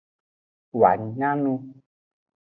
Woa nya nu.